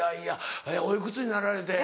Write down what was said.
おいくつになられて？